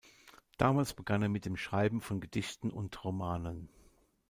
Damals begann er mit dem Schreiben von Gedichten und Romanen.